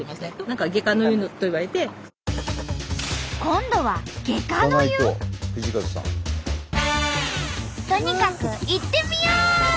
今度はとにかく行ってみよう！